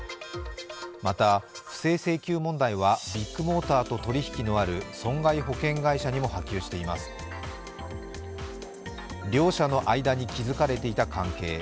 また、不正請求問題はビックモーターと取り引きがある損害保険会社にも波及しています。両者の間に築かれていた関係。